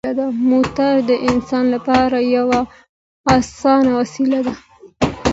موټر د انسان لپاره یوه اسانه وسیله ده.